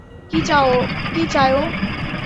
কী চায় ও?